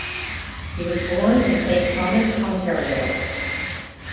He was born in Saint Thomas, Ontario.